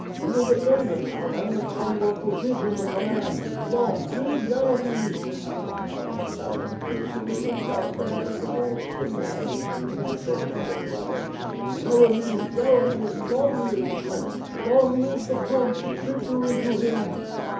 He will defend the town and the Commonwealth will give him the command — long live Yeremy!" Now, from a thousand throats arose a shout that made the walls tremble and the panes in the church windows rattle. "Yeremy! Yeremy! Long live the Prince! Long live the Prince! Victory to him!"